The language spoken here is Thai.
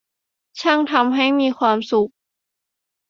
ช่างทำให้มีความสุข